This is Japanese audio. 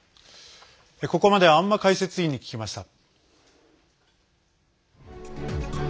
ここまで安間解説委員に聞きました。